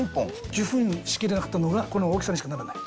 受粉しきれなかったのがこの大きさにしかならない。